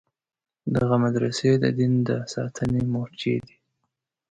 دغه مدرسې د دین د ساتنې مورچې دي.